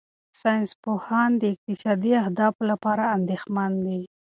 ساینسپوهان د اقتصادي اهدافو لپاره اندېښمن دي.